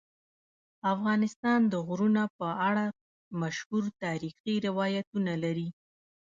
افغانستان د غرونه په اړه مشهور تاریخی روایتونه لري.